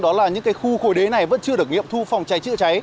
đó là những khu khối đế này vẫn chưa được nghiệm thu phòng cháy chữa cháy